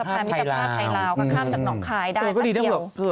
ข้ามจากหนอกคลายได้แป๊บเดี๋ยว